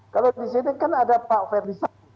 kalau di sini kan ada pak fethi sabo